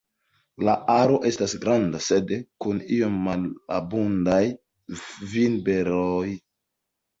La aro estas granda sed kun iom malabundaj vinberoj.